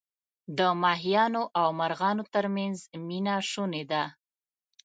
د ماهیانو او مرغانو ترمنځ مینه شوني ده.